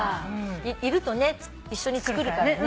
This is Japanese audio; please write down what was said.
いるとね一緒に作るからね。